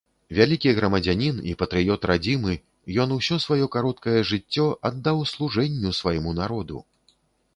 Вялікі грамадзянін і патрыёт радзімы, ён усё сваё кароткае жыццё аддаў служэнню свайму народу.